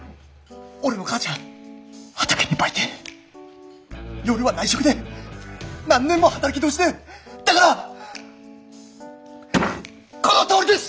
俺の母ちゃん畑に売店夜は内職で何年も働き通しでだからこのとおりです！